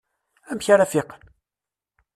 Amek ara fiqen?